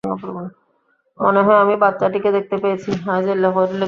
মনে হয় আমি বাচ্চাটিকে দেখতে পেয়েছি।